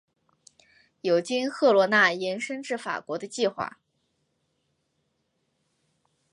有经赫罗纳延伸至法国的计划。